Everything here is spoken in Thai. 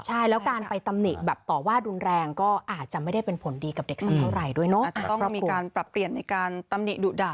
หลานมัดมือมัดเท้าเอง